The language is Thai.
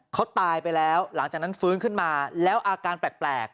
เขาตายไปแล้วหลังจากนั้นฟื้นขึ้นมาแล้วอาการแปลก